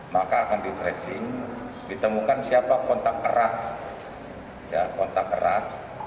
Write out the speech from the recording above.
maka akan di tracing ditemukan siapa kontak erat